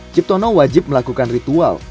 ciptono wajib melakukan ritual